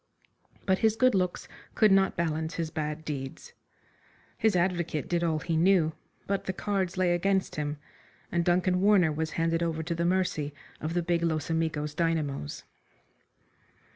But his good looks could not balance his bad deeds. His advocate did all he knew, but the cards lay against him, and Duncan Warner was handed over to the mercy of the big Los Amigos dynamos.